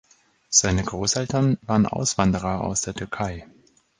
Seine Großeltern waren Auswanderer aus der Türkei.